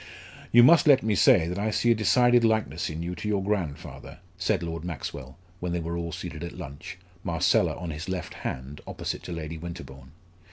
"You must let me say that I see a decided likeness in you to your grandfather," said Lord Maxwell, when they were all seated at lunch, Marcella on his left hand, opposite to Lady Winterbourne.